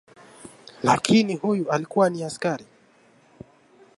Lakini huyu alikuwa ni askari